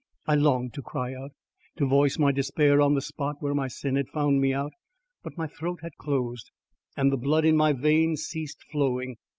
I longed to cry out to voice my despair in the spot where my sin had found me out; but my throat had closed, and the blood in my veins ceased flowing.